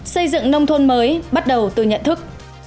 xây dựng nông thôn mới bắt đầu từ nhận thức